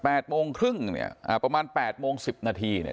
โมงครึ่งเนี่ยอ่าประมาณแปดโมงสิบนาทีเนี่ย